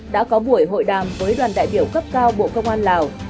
đã có buổi hội đàm với đoàn đại biểu cấp cao bộ công an lào